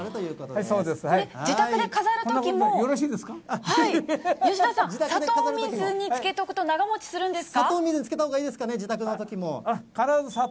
吉田さん、自宅で飾るときも、砂糖水につけておくと長持ちするんですか？